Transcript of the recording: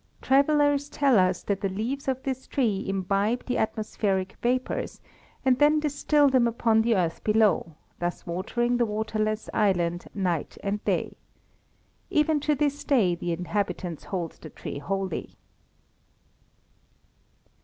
Travellers tell us that the leaves of this tree imbibe the atmospheric vapours, and then distil them upon the earth below, thus watering the waterless island night and day. Even to this day the inhabitants hold the tree holy.